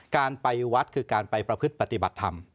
การไปวัดคือการไปประพฤติปฏิบัติธรรม